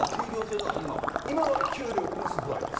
今は給料プラス歩合です。